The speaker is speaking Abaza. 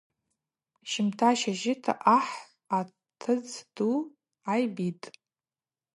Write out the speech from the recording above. Щымта щажьыта ахӏ атыдз ду гӏайбитӏ.